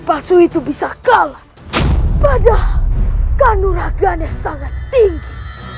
padahal kanuraganya sangat tinggi